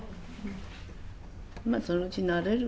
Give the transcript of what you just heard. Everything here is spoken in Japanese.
まあそのうち慣れるでしょ。